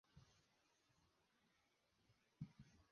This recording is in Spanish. Ha recibido premios del Club de Periodistas.